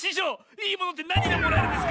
いいものってなにがもらえるんですか？